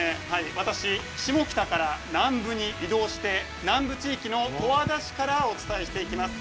私、下北から南部に移動して南部地域の十和田市からお伝えしていきます。